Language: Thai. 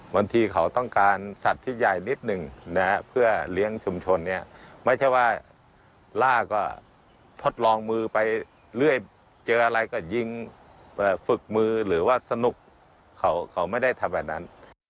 บางทีเขาต้องการสัตว์ที่ใหญ่นิดหนึ่งนะฮะเพื่อเลี้ยงชุมชนเนี่ยไม่ใช่ว่าล่าก็ทดลองมือไปเรื่อยเจออะไรก็ยิงฝึกมือหรือว่าสนุกเขาไม่ได้ทำแบบนั้น